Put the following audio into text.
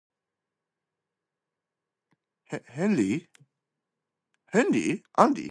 Henry is buried in Christ Episcopal Church Cemetery in Cambridge.